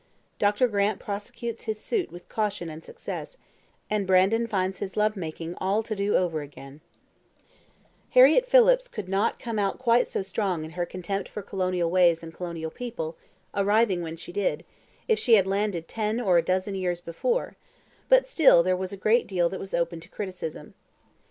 Dr. Grant Prosecutes His Suit With Caution And Success, And Brandon Finds His Love Making All To Do Over Again Harriett Phillips could not come out quite so strong in her contempt for colonial ways and colonial people, arriving when she did, as if she had landed ten or a dozen years before, but still there was a great deal that was open to criticism.